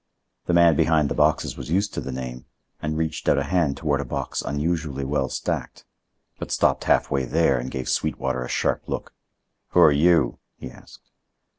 The man behind the boxes was used to the name and reached out a hand toward a box unusually well stacked, but stopped half way there and gave Sweetwater a sharp look. "Who are you?" he asked.